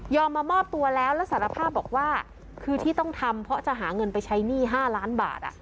มามอบตัวแล้วแล้วสารภาพบอกว่าคือที่ต้องทำเพราะจะหาเงินไปใช้หนี้๕ล้านบาท